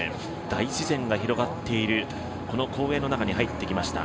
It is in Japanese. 大自然が広がっているこの公園の中に入ってきました。